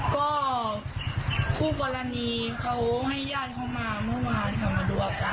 ก็คู่กรณีเขาให้ญาติเขามาเมื่อวานค่ะมาดูอาการ